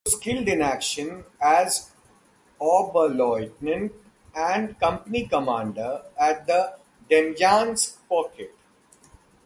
He was killed in action as Oberleutnant and company commander at the Demyansk Pocket.